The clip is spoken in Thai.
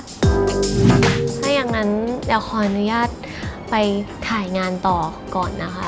ถ้าอย่างนั้นเดี๋ยวขออนุญาตไปถ่ายงานต่อก่อนนะคะ